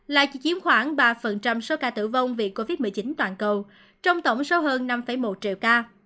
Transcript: lại chỉ chiếm khoảng ba số ca tử vong vì covid một mươi chín toàn cầu trong tổng số hơn năm một triệu ca